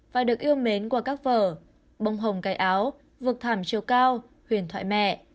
và được yêu mến qua các vở bông hồng cài áo vực thảm chiều cao huyền thoại mẹ